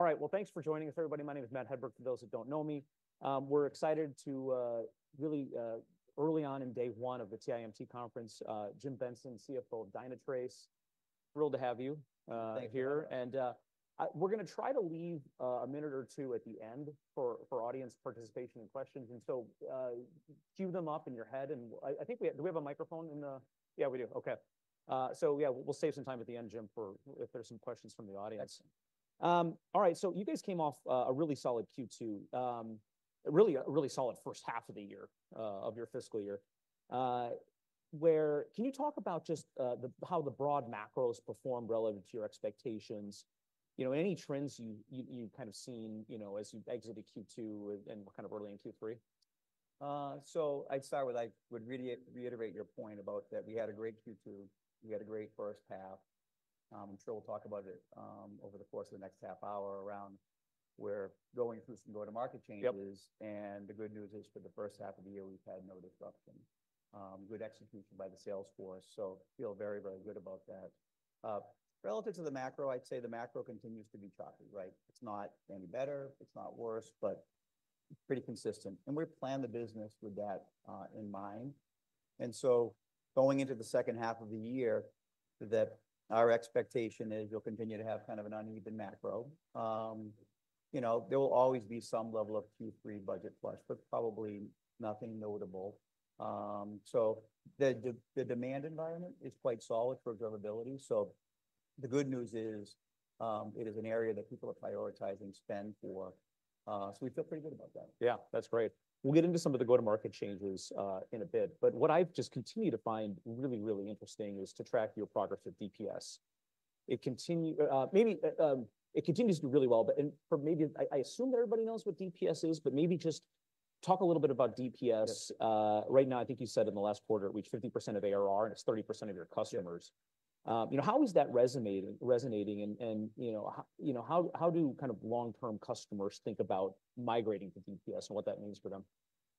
All right, well, thanks for joining us, everybody. My name is Matt Hedberg, for those that don't know me. We're excited, really, early on in day one of the TIMT Conference, Jim Benson, CFO of Dynatrace. Thrilled to have you here, and we're going to try to leave a minute or two at the end for audience participation and questions, and so cue them up in your head, and I think we have a microphone in the, yeah, we do. Okay, so yeah, we'll save some time at the end, Jim, for if there's some questions from the audience. All right, so you guys came off a really solid Q2, really a really solid first half of the year of your fiscal year. Can you talk about just how the broad macros perform relative to your expectations? Any trends you've kind of seen as you've exited Q2 and kind of early in Q3? So, I'd start with I would reiterate your point about that we had a great Q2. We had a great first half. I'm sure we'll talk about it over the course of the next half hour around we're going through some go-to-market changes. And the good news is for the first half of the year, we've had no disruption. Good execution by the sales force. So feel very, very good about that. Relative to the macro, I'd say the macro continues to be choppy, right? It's not any better. It's not worse, but pretty consistent. And we plan the business with that in mind. And so going into the second half of the year, our expectation is we'll continue to have kind of an uneven macro. There will always be some level of Q3 budget flush, but probably nothing notable. So the demand environment is quite solid for durability. So the good news is it is an area that people are prioritizing spend for. So we feel pretty good about that. Yeah, that's great. We'll get into some of the go-to-market changes in a bit. But what I've just continued to find really, really interesting is to track your progress with DPS. It continues to do really well, but maybe I assume everybody knows what DPS is, but maybe just talk a little bit about DPS. Right now, I think you said in the last quarter, it reached 50% of ARR and it's 30% of your customers. How is that resonating? And how do kind of long-term customers think about migrating to DPS and what that means for them?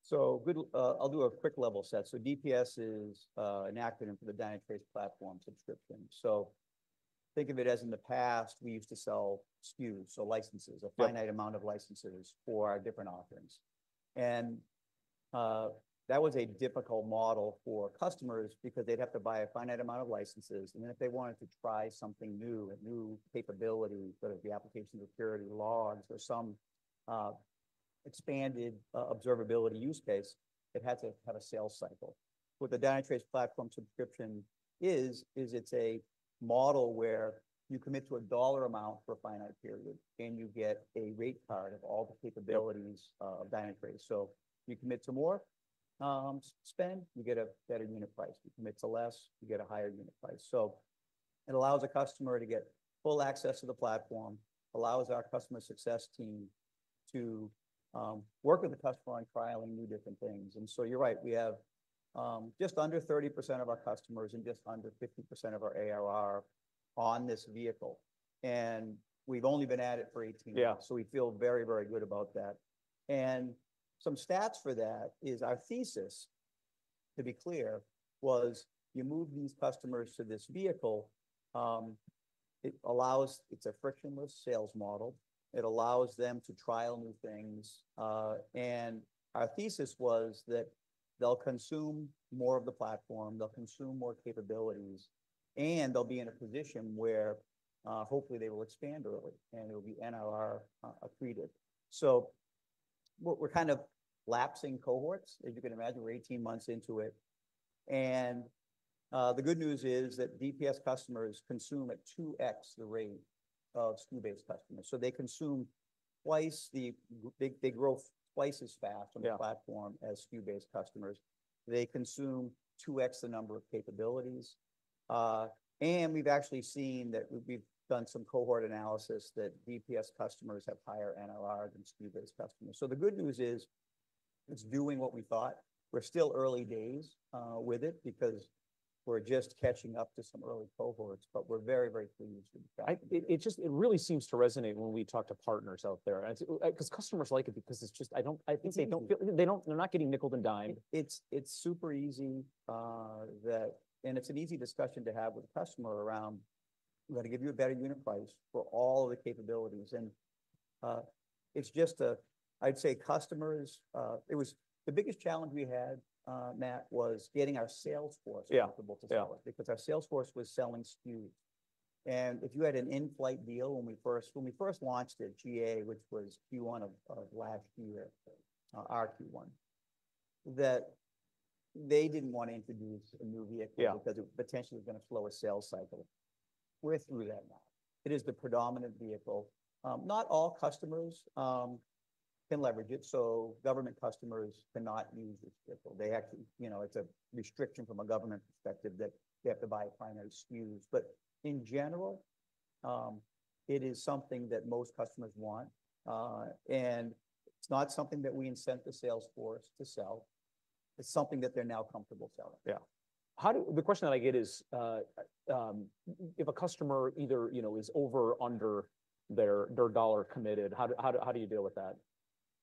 So I'll do a quick level set. So DPS is an acronym for the Dynatrace Platform Subscription. So think of it as in the past, we used to sell SKUs, so licenses, a finite amount of licenses for different offerings. And that was a difficult model for customers because they'd have to buy a finite amount of licenses. And then if they wanted to try something new, a new capability, whether it be application security logs or some expanded observability use case, it had to have a sales cycle. What the Dynatrace Platform Subscription is, is it's a model where you commit to a dollar amount for a finite period, and you get a rate card of all the capabilities of Dynatrace. So you commit to more spend, you get a better unit price. You commit to less, you get a higher unit price. So it allows a customer to get full access to the platform. It allows our customer success team to work with the customer on trial and new different things. And so you're right, we have just under 30% of our customers and just under 50% of our ARR on this vehicle. And we've only been at it for 18 months. So we feel very, very good about that. And some stats for that is our thesis, to be clear, was you move these customers to this vehicle. It's a frictionless sales model. It allows them to trial new things. And our thesis was that they'll consume more of the platform, they'll consume more capabilities, and they'll be in a position where hopefully they will expand early and it will be NRR accretive. So we're kind of lapsing cohorts, as you can imagine. We're 18 months into it. And the good news is that DPS customers consume at 2x the rate of SKU-based customers. So they consume twice the—they grow twice as fast on the platform as SKU-based customers. They consume 2x the number of capabilities. And we've actually seen that we've done some cohort analysis that DPS customers have higher NRR than SKU-based customers. So the good news is it's doing what we thought. We're still early days with it because we're just catching up to some early cohorts, but we're very, very pleased with the job. It really seems to resonate when we talk to partners out there. Because customers like it because it's just - I think they don't feel - they're not getting nickeled and dimed. It's super easy—and it's an easy discussion to have with a customer around, "I'm going to give you a better unit price for all of the capabilities." And it's just a—I'd say customers—the biggest challenge we had, Matt, was getting our sales force comfortable to sell us because our sales force was selling SKUs. And if you had an in-flight deal when we first launched it, GA, which was Q1 of last year, our Q1, that they didn't want to introduce a new vehicle because it potentially was going to slow a sales cycle. We're through that now. It is the predominant vehicle. Not all customers can leverage it. So government customers cannot use this vehicle. It's a restriction from a government perspective that they have to buy primary SKUs. But in general, it is something that most customers want. It's not something that we incent the sales force to sell. It's something that they're now comfortable selling. Yeah. The question that I get is, if a customer either is over or under their dollar committed, how do you deal with that?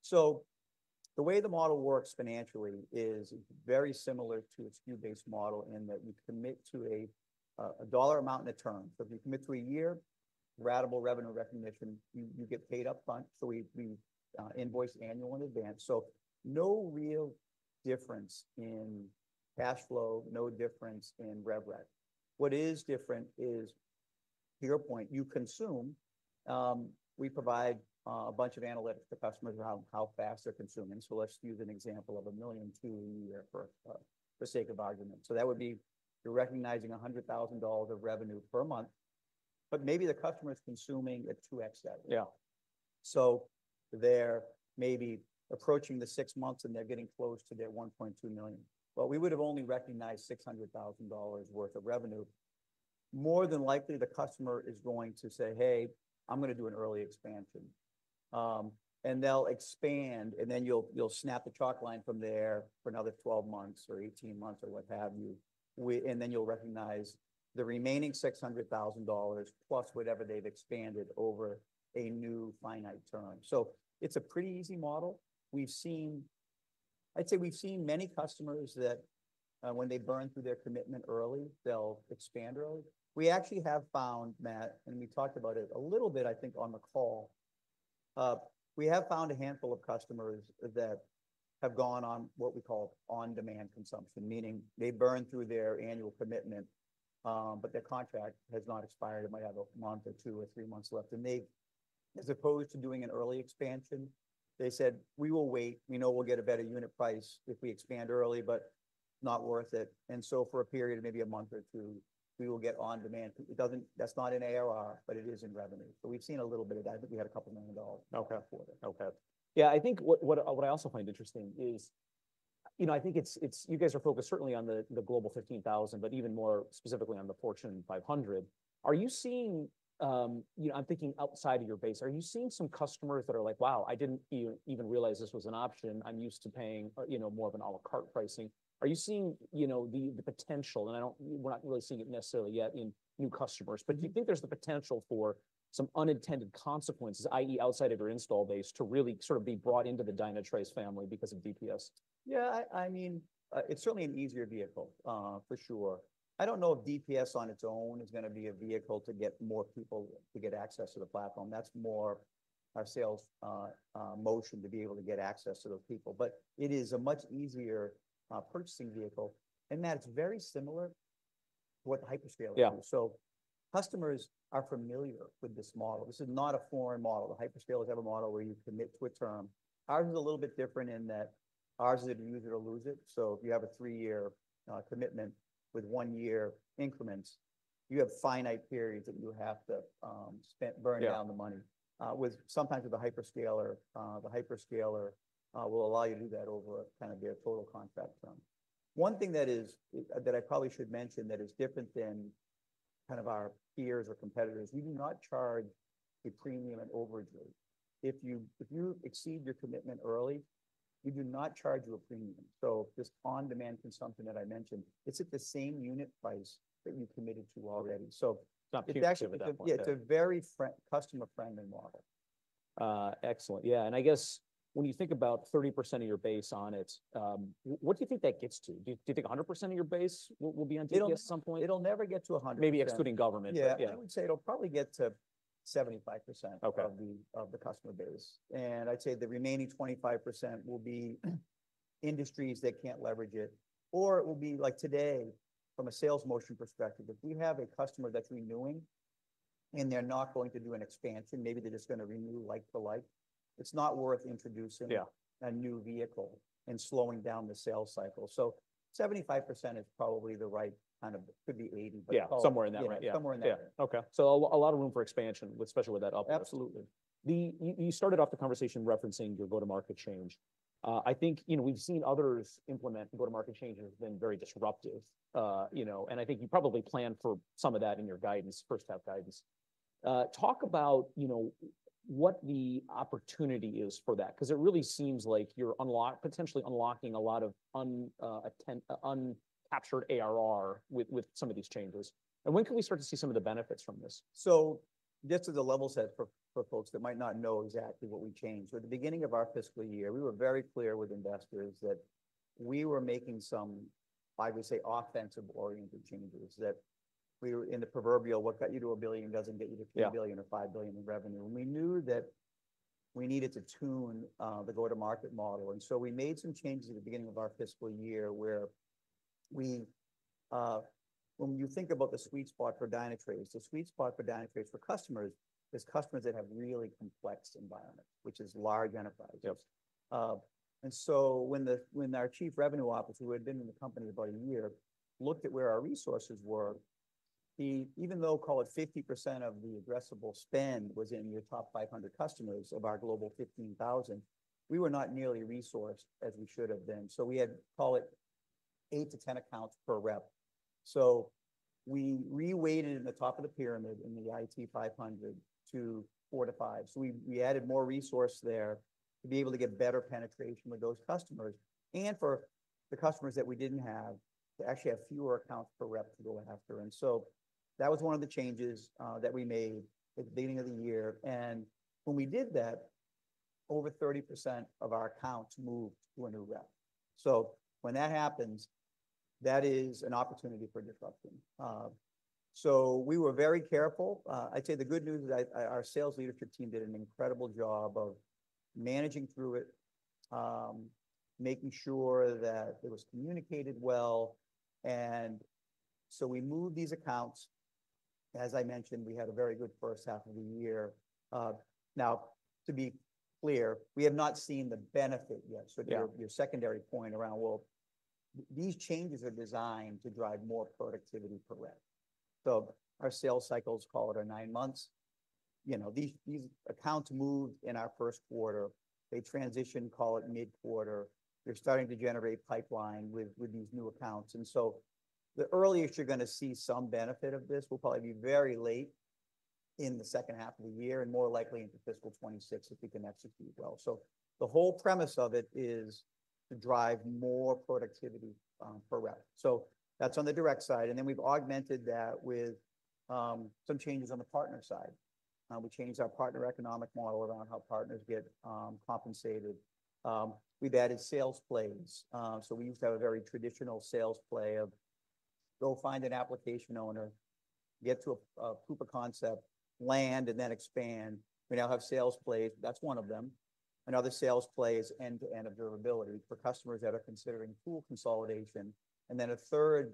So the way the model works financially is very similar to a SKU-based model in that we commit to a dollar amount and a term. So if you commit to a year, ratable revenue recognition, you get paid upfront. So we invoice annually in advance. So no real difference in cash flow, no difference in RevRec. What is different is, to your point, you consume. We provide a bunch of analytics to customers around how fast they're consuming. So let's use an example of $1 million a year for the sake of argument. So that would be you're recognizing $100,000 of revenue per month, but maybe the customer is consuming at 2x that rate. So they're maybe approaching six months and they're getting close to their $1.2 million. Well, we would have only recognized $600,000 worth of revenue. More than likely, the customer is going to say, "Hey, I'm going to do an early expansion." And they'll expand, and then you'll snap the chalk line from there for another 12 months or 18 months or what have you. And then you'll recognize the remaining $600,000 plus whatever they've expanded over a new finite term. So it's a pretty easy model. I'd say we've seen many customers that when they burn through their commitment early, they'll expand early. We actually have found, Matt, and we talked about it a little bit, I think, on the call. We have found a handful of customers that have gone on what we call on-demand consumption, meaning they burn through their annual commitment, but their contract has not expired. It might have a month or two or three months left. And as opposed to doing an early expansion, they said, "We will wait. We know we'll get a better unit price if we expand early, but not worth it. And so for a period of maybe a month or two, we will get on-demand. That's not in ARR, but it is in revenue. So we've seen a little bit of that. I think we had $2 million before that. Okay. Yeah. I think what I also find interesting is, you know, I think you guys are focused certainly on the Global 15,000, but even more specifically on the Fortune 500. Are you seeing, I'm thinking outside of your base, are you seeing some customers that are like, "Wow, I didn't even realize this was an option. I'm used to paying more of an à la carte pricing." Are you seeing the potential, and we're not really seeing it necessarily yet in new customers, but do you think there's the potential for some unintended consequences, i.e., outside of your installed base, to really sort of be brought into the Dynatrace family because of DPS? Yeah. I mean, it's certainly an easier vehicle, for sure. I don't know if DPS on its own is going to be a vehicle to get more people to get access to the platform. That's more our sales motion to be able to get access to those people. But it is a much easier purchasing vehicle, and that's very similar to what hyperscaler is, so customers are familiar with this model. This is not a foreign model. The hyperscaler has a model where you commit to a term. Ours is a little bit different in that ours is a use it or lose it, so if you have a three-year commitment with one-year increments, you have finite periods that you have to spend, burn down the money. Sometimes with the hyperscaler, the hyperscaler will allow you to do that over kind of their total contract term. One thing that I probably should mention that is different than kind of our peers or competitors, we do not charge a premium at overages. If you exceed your commitment early, we do not charge you a premium. So this on-demand consumption that I mentioned, it's at the same unit price that you committed to already. So it's actually a very customer-friendly model. Excellent. Yeah, and I guess when you think about 30% of your base on it, what do you think that gets to? Do you think 100% of your base will be on DPS at some point? It'll never get to 100%. Maybe excluding government, but yeah. I would say it'll probably get to 75% of the customer base, and I'd say the remaining 25% will be industries that can't leverage it, or it will be like today, from a sales motion perspective, if we have a customer that's renewing and they're not going to do an expansion, maybe they're just going to renew like for like, it's not worth introducing a new vehicle and slowing down the sales cycle, so 75% is probably the right kind of could be 80%, but. Yeah, somewhere in that range. Yeah, somewhere in that range. Yeah. Okay, so a lot of room for expansion, especially with that uplift. Absolutely. You started off the conversation referencing your go-to-market change. I think we've seen others implement go-to-market changes that have been very disruptive. And I think you probably plan for some of that in your guidance, first-half guidance. Talk about what the opportunity is for that, because it really seems like you're potentially unlocking a lot of uncaptured ARR with some of these changes. And when can we start to see some of the benefits from this? So this is a level set for folks that might not know exactly what we changed. At the beginning of our fiscal year, we were very clear with investors that we were making some, I would say, offensive-oriented changes that we were in the proverbial, "What got you to a billion doesn't get you to three billion or five billion in revenue." And we knew that we needed to tune the go-to-market model. And so we made some changes at the beginning of our fiscal year where when you think about the sweet spot for Dynatrace, the sweet spot for Dynatrace for customers is customers that have really complex environments, which is large enterprises. And so when our Chief Revenue Officer, who had been in the company about a year, looked at where our resources were, even though call it 50% of the addressable spend was in your top 500 customers of our Global 15,000, we were not nearly resourced as we should have been. So we had call it 8-10 accounts per rep. So we reweighted in the top of the pyramid in the top 500 to 4-5. So we added more resource there to be able to get better penetration with those customers and for the customers that we didn't have to actually have fewer accounts per rep to go after. And so that was one of the changes that we made at the beginning of the year. And when we did that, over 30% of our accounts moved to a new rep. So when that happens, that is an opportunity for disruption. So we were very careful. I'd say the good news is our sales leadership team did an incredible job of managing through it, making sure that it was communicated well. And so we moved these accounts. As I mentioned, we had a very good first half of the year. Now, to be clear, we have not seen the benefit yet. So to your secondary point around, well, these changes are designed to drive more productivity per rep. So our sales cycles, call it our nine months, these accounts moved in our first quarter. They transitioned, call it mid-quarter. They're starting to generate pipeline with these new accounts. And so the earliest you're going to see some benefit of this will probably be very late in the second half of the year and more likely into fiscal 2026 if we can execute well. So the whole premise of it is to drive more productivity per rep. So that's on the direct side. And then we've augmented that with some changes on the partner side. We changed our partner economic model around how partners get compensated. We've added sales plays. So we used to have a very traditional sales play of go find an application owner, get to a proof of concept, land, and then expand. We now have sales plays. That's one of them. Another sales play is end-to-end observability for customers that are considering tool consolidation. And then a third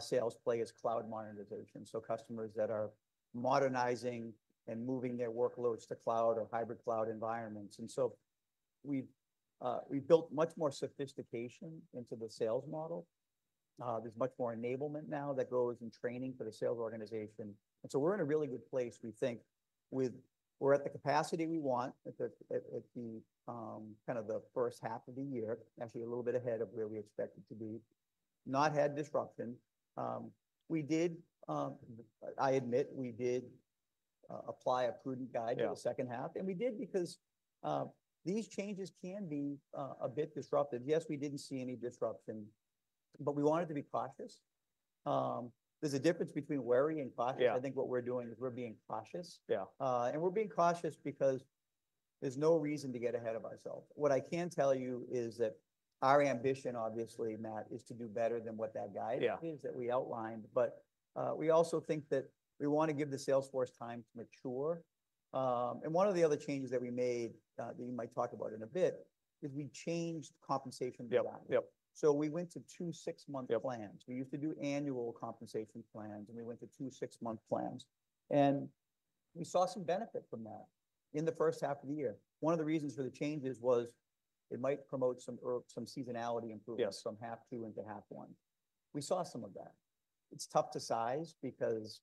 sales play is cloud modernization. So customers that are modernizing and moving their workloads to cloud or hybrid cloud environments. And so we've built much more sophistication into the sales model. There's much more enablement now that goes in training for the sales organization. And so we're in a really good place, we think, with we're at the capacity we want at the kind of the first half of the year, actually a little bit ahead of where we expect it to be. Not had disruption. I admit we did apply a prudent guide to the second half. And we did because these changes can be a bit disruptive. Yes, we didn't see any disruption, but we wanted to be cautious. There's a difference between wary and cautious. I think what we're doing is we're being cautious. And we're being cautious because there's no reason to get ahead of ourselves. What I can tell you is that our ambition, obviously, Matt, is to do better than what that guide is that we outlined. But we also think that we want to give the sales force time to mature. And one of the other changes that we made that you might talk about in a bit is we changed compensation design. So we went to two six-month plans. We used to do annual compensation plans, and we went to two six-month plans. And we saw some benefit from that in the first half of the year. One of the reasons for the changes was it might promote some seasonality improvements, some half two into half one. We saw some of that. It's tough to size because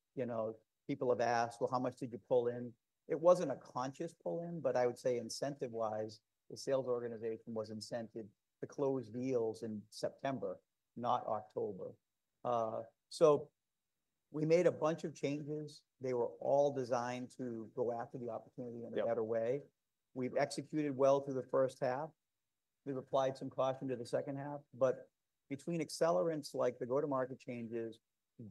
people have asked, "Well, how much did you pull in?" It wasn't a conscious pull in, but I would say incentive-wise, the sales organization was incented to close deals in September, not October. So we made a bunch of changes. They were all designed to go after the opportunity in a better way. We've executed well through the first half. We've applied some caution to the second half. But between accelerants like the go-to-market changes,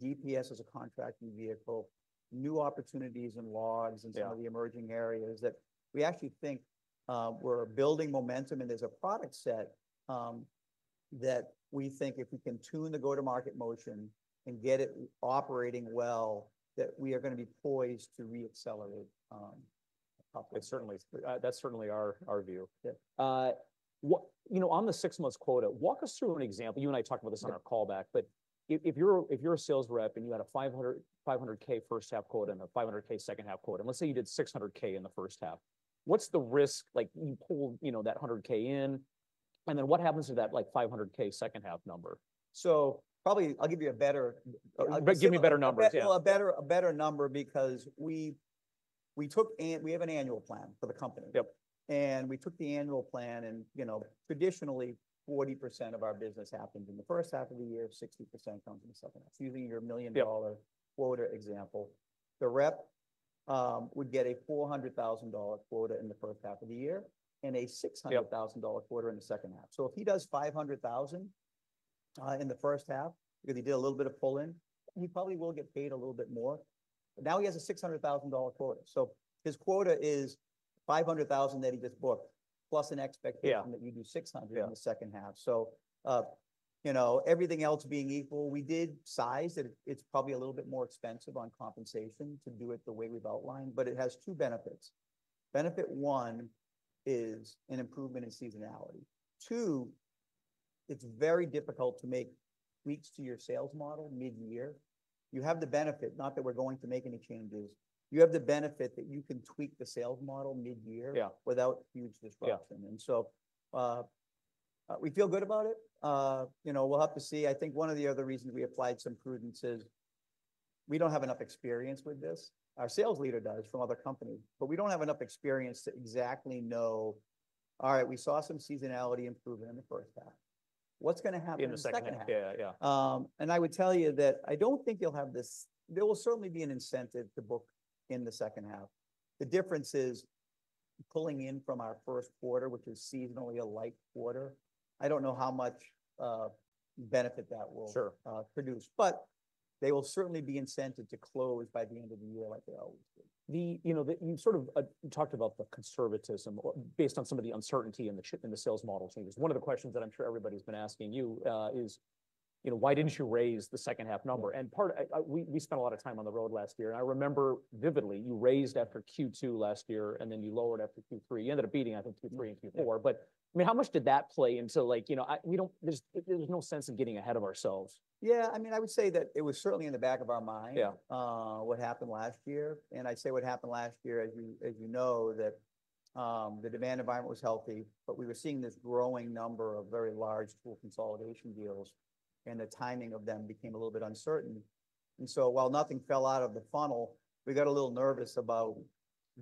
DPS as a contracting vehicle, new opportunities in logs and some of the emerging areas that we actually think we're building momentum and there's a product set that we think if we can tune the go-to-market motion and get it operating well, that we are going to be poised to re-accelerate. Certainly. That's certainly our view. On the six-month quota, walk us through an example. You and I talked about this on our callback, but if you're a sales rep and you had a $500,000 first-half quota and a $500,000 second-half quota, and let's say you did $600,000 in the first half, what's the risk? You pulled that $100,000 in, and then what happens to that $500,000 second-half number? Probably I'll give you a better. Give me a better number, yeah. A better number because we have an annual plan for the company. And we took the annual plan, and traditionally, 40% of our business happens in the first half of the year, 60% comes in the second half. Using your million-dollar quota example, the rep would get a $400,000 quota in the first half of the year and a $600,000 quota in the second half. So if he does $500,000 in the first half because he did a little bit of pull in, he probably will get paid a little bit more. Now he has a $600,000 quota. So his quota is $500,000 that he just booked plus an expectation that you do $600,000 in the second half. So everything else being equal, we did size that it's probably a little bit more expensive on compensation to do it the way we've outlined, but it has two benefits. Benefit one is an improvement in seasonality. Two, it's very difficult to make tweaks to your sales model mid-year. You have the benefit, not that we're going to make any changes. You have the benefit that you can tweak the sales model mid-year without huge disruption, and so we feel good about it. We'll have to see. I think one of the other reasons we applied some prudence is we don't have enough experience with this. Our sales leader does from other companies, but we don't have enough experience to exactly know, "All right, we saw some seasonality improvement in the first half. What's going to happen in the second half," and I would tell you that I don't think you'll have this. There will certainly be an incentive to book in the second half. The difference is pulling in from our first quarter, which is seasonally a light quarter. I don't know how much benefit that will produce, but they will certainly be incented to close by the end of the year like they always do. You sort of talked about the conservatism based on some of the uncertainty in the sales model changes. One of the questions that I'm sure everybody's been asking you is, "Why didn't you raise the second-half number?" And we spent a lot of time on the road last year. And I remember vividly you raised after Q2 last year and then you lowered after Q3. You ended up beating, I think, Q3 and Q4. But I mean, how much did that play into there's no sense in getting ahead of ourselves? Yeah. I mean, I would say that it was certainly in the back of our mind what happened last year. And I'd say what happened last year, as you know, that the demand environment was healthy, but we were seeing this growing number of very large tool consolidation deals, and the timing of them became a little bit uncertain. And so while nothing fell out of the funnel, we got a little bit nervous about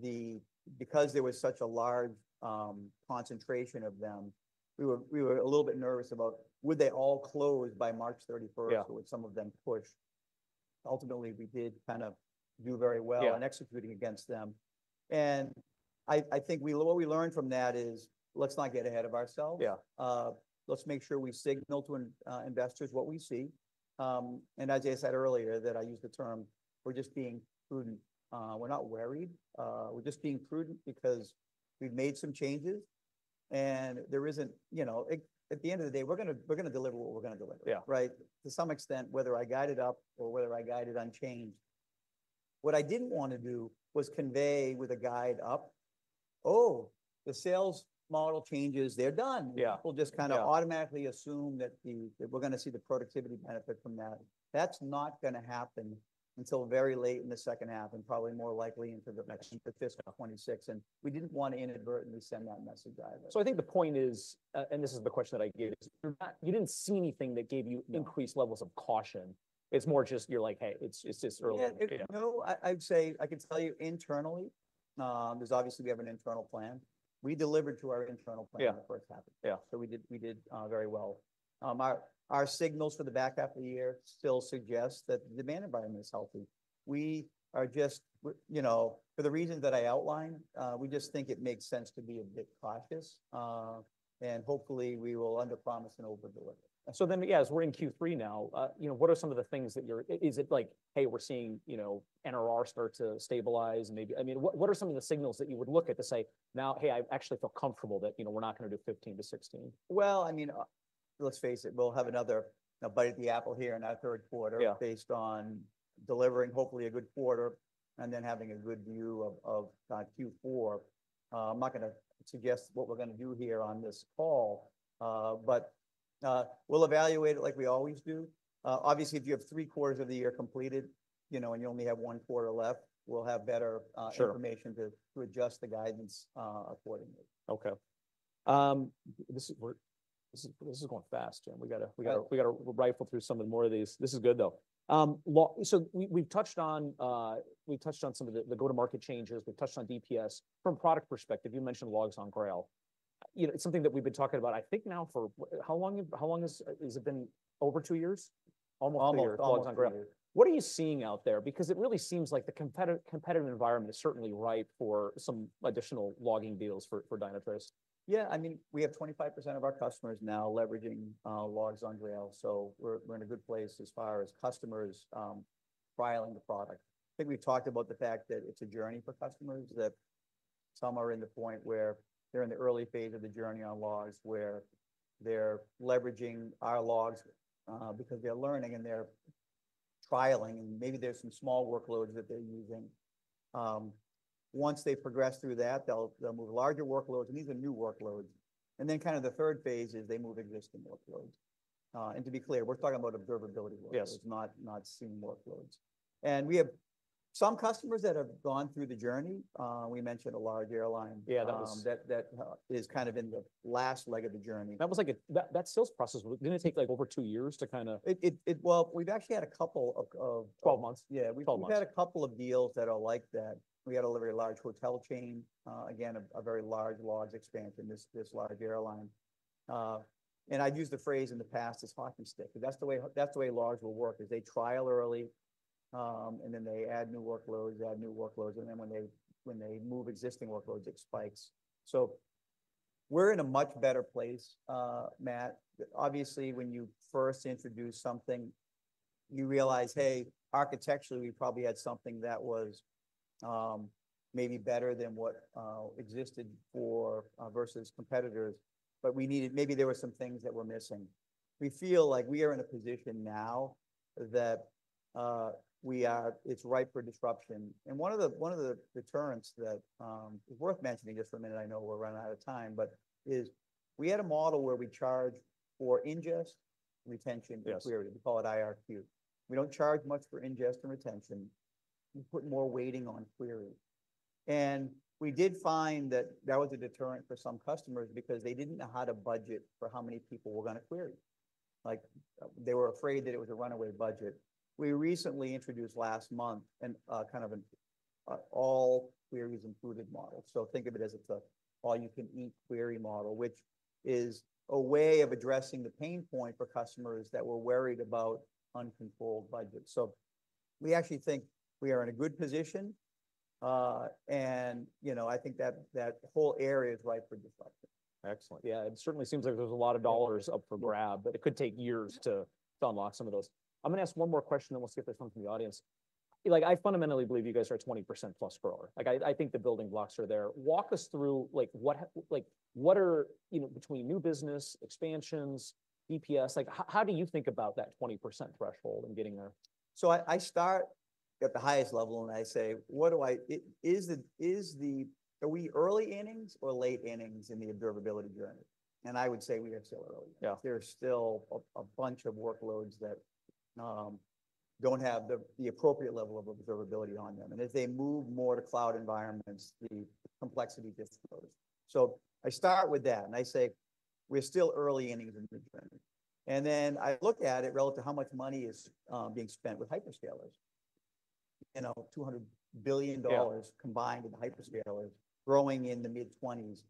that because there was such a large concentration of them, "Would they all close by March 31st? Would some of them push?" Ultimately, we did kind of do very well in executing against them. And I think what we learned from that is, "Let's not get ahead of ourselves. Let's make sure we signal to investors what we see," and as I said earlier, that I used the term, "We're just being prudent. We're not worried. We're just being prudent because we've made some changes," and at the end of the day, we're going to deliver what we're going to deliver, right? To some extent, whether I guide it up or whether I guide it unchanged. What I didn't want to do was convey with a guide up, "Oh, the sales model changes. They're done." People just kind of automatically assume that we're going to see the productivity benefit from that. That's not going to happen until very late in the second half and probably more likely into the fiscal 2026, and we didn't want to inadvertently send that message either. So I think the point is, and this is the question that I get, is you didn't see anything that gave you increased levels of caution. It's more just you're like, "Hey, it's just early. Yeah. No, I would say I can tell you internally, there's obviously we have an internal plan. We delivered to our internal plan in the first half. So we did very well. Our signals for the back half of the year still suggest that the demand environment is healthy. We are just, for the reasons that I outlined, we just think it makes sense to be a bit cautious, and hopefully, we will underpromise and overdeliver. So then, yeah, as we're in Q3 now, what are some of the things that you're seeing? Is it like, "Hey, we're seeing NRR start to stabilize?" I mean, what are some of the signals that you would look at to say, "Now, hey, I actually feel comfortable that we're not going to do 15%-16%? Well, I mean, let's face it, we'll have another bite at the apple here in our third quarter based on delivering, hopefully, a good quarter and then having a good view of Q4. I'm not going to suggest what we're going to do here on this call, but we'll evaluate it like we always do. Obviously, if you have three quarters of the year completed and you only have one quarter left, we'll have better information to adjust the guidance accordingly. Okay. This is going fast, Jim. We got to rifle through some of the more of these. This is good, though. So we've touched on some of the go-to-market changes. We've touched on DPS. From a product perspective, you mentioned logs on Grail. It's something that we've been talking about, I think, now for how long has it been? Over two years? Almost two years? Almost two years. What are you seeing out there? Because it really seems like the competitive environment is certainly ripe for some additional logging deals for Dynatrace. Yeah. I mean, we have 25% of our customers now leveraging logs on Grail. So we're in a good place as far as customers trialing the product. I think we've talked about the fact that it's a journey for customers, that some are in the point where they're in the early phase of the journey on logs where they're leveraging our logs because they're learning and they're trialing, and maybe there's some small workloads that they're using. Once they progress through that, they'll move larger workloads, and these are new workloads. And then kind of the third phase is they move existing workloads. And to be clear, we're talking about observability workloads, not SIEM workloads. And we have some customers that have gone through the journey. We mentioned a large airline that is kind of in the last leg of the journey. That was like, that sales process was going to take like over two years to kind of. Well, we've actually had a couple of. 12 months. Yeah, we've had a couple of deals that are like that. We had a very large hotel chain, again, a very large logs expansion, this large airline, and I've used the phrase in the past as hockey stick. That's the way logs will work, is they trial early, and then they add new workloads, add new workloads, and then when they move existing workloads, it spikes, so we're in a much better place, Matt. Obviously, when you first introduce something, you realize, "Hey, architecturally, we probably had something that was maybe better than what existed versus competitors, but maybe there were some things that were missing." We feel like we are in a position now that it's ripe for disruption. One of the deterrents that is worth mentioning just for a minute. I know we're running out of time, but it is we had a model where we charge for ingest, retention, and query. We call it IRQ. We don't charge much for ingest and retention. We put more weighting on query. We did find that that was a deterrent for some customers because they didn't know how to budget for how many people were going to query. They were afraid that it was a runaway budget. We recently introduced last month kind of an all queries included model. Think of it as it's an all-you-can-eat query model, which is a way of addressing the pain point for customers that were worried about uncontrolled budgets. We actually think we are in a good position. I think that whole area is ripe for disruption. Excellent. Yeah. It certainly seems like there's a lot of dollars up for grabs, but it could take years to unlock some of those. I'm going to ask one more question, then we'll see if there's something from the audience. I fundamentally believe you guys are a 20% plus grower. I think the building blocks are there. Walk us through what are between new business, expansions, DPS? How do you think about that 20% threshold and getting there? I start at the highest level, and I say, "What are we early innings or late innings in the observability journey?" And I would say we are still early. There's still a bunch of workloads that don't have the appropriate level of observability on them. And as they move more to cloud environments, the complexity discloses. I start with that, and I say, "We're still early innings in the journey." And then I look at it relative to how much money is being spent with hyperscalers. $200 billion combined with hyperscalers growing in the mid-20s.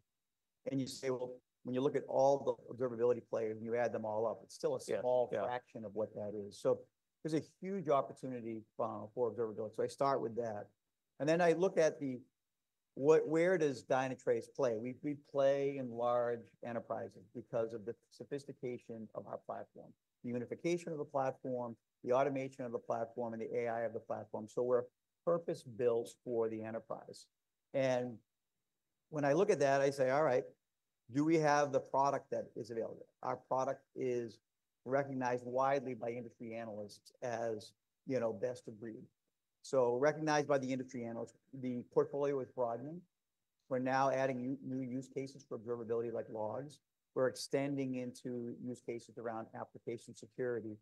And you say, "Well, when you look at all the observability players and you add them all up, it's still a small fraction of what that is." So there's a huge opportunity for observability. I start with that. And then I look at where does Dynatrace play? We play in large enterprises because of the sophistication of our platform, the unification of the platform, the automation of the platform, and the AI of the platform, so we're purpose-built for the enterprise, and when I look at that, I say, "All right, do we have the product that is available?" Our product is recognized widely by industry analysts as best of breed, so recognized by the industry analysts, the portfolio is broadening. We're now adding new use cases for observability like logs. We're extending into use cases around application security,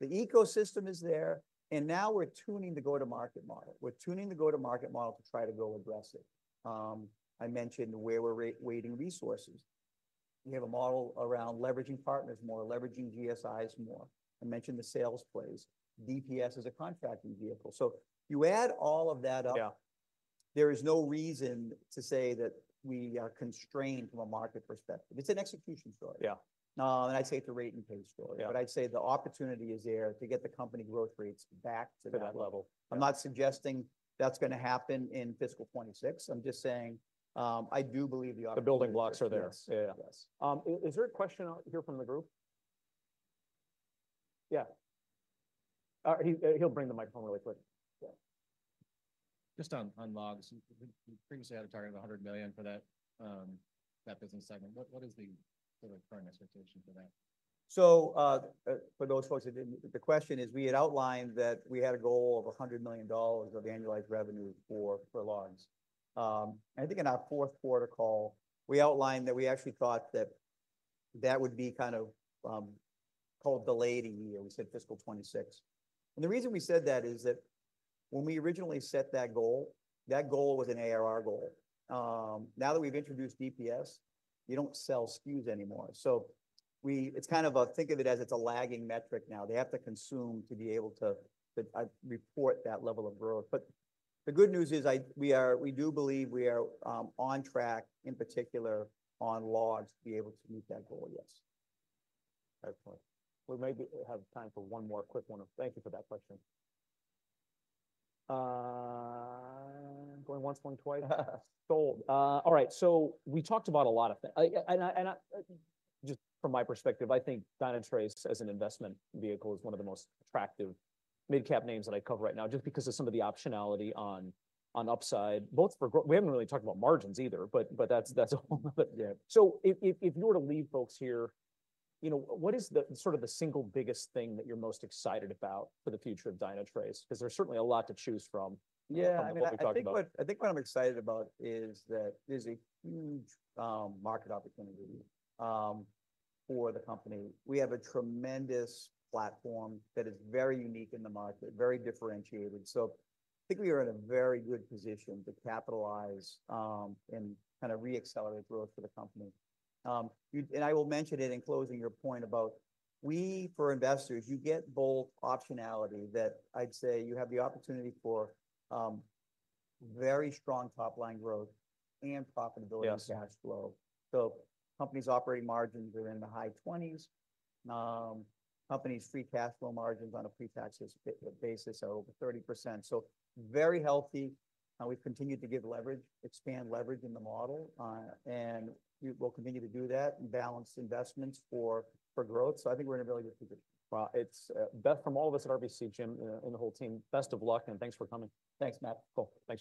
so the ecosystem is there, and now we're tuning the go-to-market model. We're tuning the go-to-market model to try to go aggressive. I mentioned where we're weighting resources. We have a model around leveraging partners more, leveraging GSIs more. I mentioned the sales plays. DPS is a contracting vehicle. So you add all of that up, there is no reason to say that we are constrained from a market perspective. It's an execution story, and I'd say it's a rate and pace story, but I'd say the opportunity is there to get the company growth rates back to that level. I'm not suggesting that's going to happen in fiscal 2026. I'm just saying I do believe the opportunity. The building blocks are there. Yes. Is there a question here from the group? Yeah. He'll bring the microphone really quick. Just on logs, we previously had a target of 100 million for that business segment. What is the current expectation for that? So for those folks that didn't, the question is we had outlined that we had a goal of $100 million of annualized revenue for logs. And I think in our fourth quarter call, we outlined that we actually thought that that would be kind of called the late year. We said fiscal 2026. And the reason we said that is that when we originally set that goal, that goal was an ARR goal. Now that we've introduced DPS, you don't sell SKUs anymore. So it's kind of think of it as it's a lagging metric now. They have to consume to be able to report that level of growth. But the good news is we do believe we are on track, in particular on logs, to be able to meet that goal, yes. We may have time for one more quick one. Thank you for that question. Going once, going twice. Sold. All right. So we talked about a lot of things. And just from my perspective, I think Dynatrace as an investment vehicle is one of the most attractive mid-cap names that I cover right now just because of some of the optionality on upside, both for growth. We haven't really talked about margins either, but that's a whole nother thing. So if you were to leave folks here, what is sort of the single biggest thing that you're most excited about for the future of Dynatrace? Because there's certainly a lot to choose from. Yeah. I think what I'm excited about is that there's a huge market opportunity for the company. We have a tremendous platform that is very unique in the market, very differentiated. So I think we are in a very good position to capitalize and kind of re-accelerate growth for the company. And I will mention it in closing your point about we, for investors, you get both optionality that I'd say you have the opportunity for very strong top-line growth and profitability and cash flow. So company's operating margins are in the high 20s%. Company's free cash flow margins on a pre-tax basis are over 30%. So very healthy. We've continued to give leverage, expand leverage in the model, and we'll continue to do that and balance investments for growth. So I think we're in a really good position. Best from all of us at RBC, Jim, and the whole team. Best of luck and thanks for coming. Thanks, Matt. Cool. Thank you.